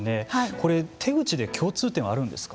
これ、手口で共通点はあるんですか。